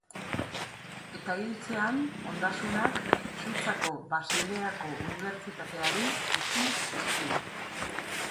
Eta hiltzean, ondasunak Suitzako Basileako Unibertsitateari utzi zizkion.